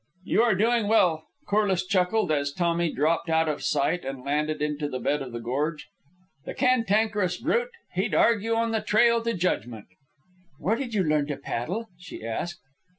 "You are doing well," Corliss chuckled, as Tommy dropped out of sight and landed into the bed of the gorge. "The cantankerous brute! he'd argue on the trail to Judgment." "Where did you learn to paddle?" she asked.